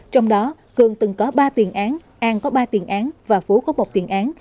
trong đó cường từng có ba tiền án an có ba tiền án và phú có một tiền án